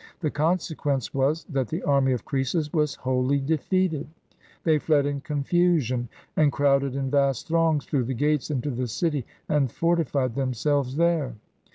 The consequence was, that the army of Croesus was wholly defeated; they fled in confusion, and crowded in vast throngs through the gates into the city, and fortified them selves there.